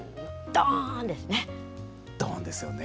ドーン！ですよね。